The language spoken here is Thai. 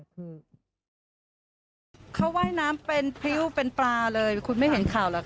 คือเขาว่ายน้ำเป็นพริ้วเป็นปลาเลยคุณไม่เห็นข่าวหรอกค่ะ